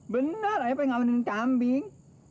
bener ayah pengen ngawinin kambing